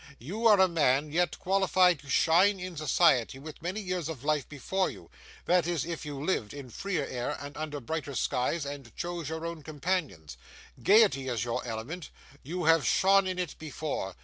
You are a man yet qualified to shine in society, with many years of life before you; that is, if you lived in freer air, and under brighter skies, and chose your own companions. Gaiety is your element, you have shone in it before.